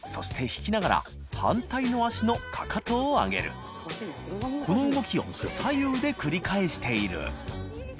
靴引きながら反対の脚のかかとを上げる磴海瞭阿左右で繰り返している磴